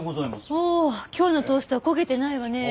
おお今日のトーストは焦げてないわね。